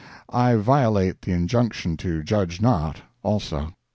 I violate the injunction to judge not, also.